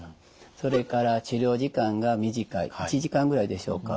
それから治療時間が短い１時間ぐらいでしょうか。